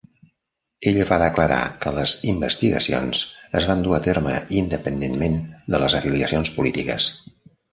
Ella va declarar que les investigacions es van dur a terme independentment de les afiliacions polítiques.